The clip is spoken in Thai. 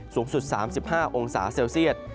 สูงสุด๓๕๐องศาเซียด